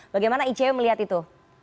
bagaimana icw melihat itu